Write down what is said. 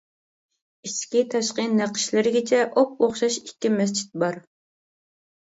ئىچكى-تاشقى نەقىشلىرىگىچە ئوپئوخشاش ئىككى مەسچىت بار.